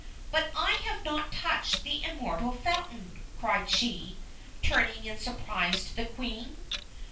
"But I have not touched the Immortal Fountain!" cried she, turning in surprise to the Queen.